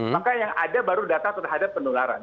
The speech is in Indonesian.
maka yang ada baru data terhadap penularan